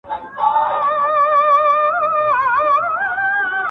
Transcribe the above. خو خپه كېږې به نه.